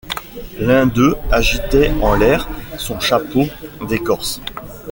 L’un d’eux agitait en l’air son chapeau d’écorce.